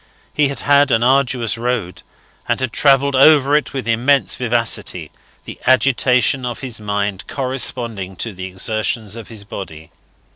He had had an arduous road, and had travelled over it with immense vivacity, the agitation of his mind corresponding to the exertions of his body.